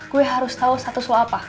gue harus tau status lo apa